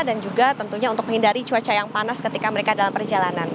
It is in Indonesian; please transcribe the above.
dan juga tentunya untuk menghindari cuaca yang panas ketika mereka dalam perjalanan